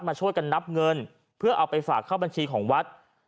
มาช่วยกันนับเงินเพื่อเอาไปฝากเข้าบัญชีของวัด